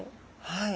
はい。